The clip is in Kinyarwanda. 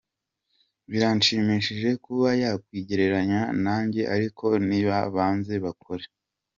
Biranshimishije kuba yakwigereranya na njye ariko nibabanze bakore.